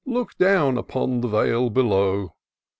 Look down upon the vale below!